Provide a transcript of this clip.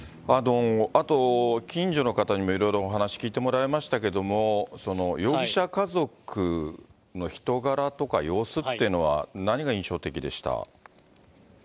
あと、近所の方にもいろいろお話聞いてもらいましたけども、容疑者家族の人柄とか様子ってのは、何が印象的でした？